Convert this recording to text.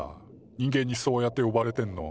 人間にそうやって呼ばれてんの。